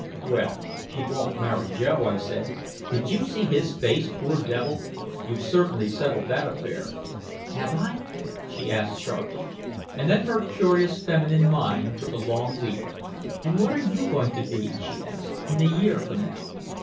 "Well, she won't marry Joe," I said. "Did you see his face poor devil? You've certainly settled that affair." "Have I?" she asked sharply. And then her curious feminine mind took a long leap. "And what are you going to be," she asked, "in a year from now?"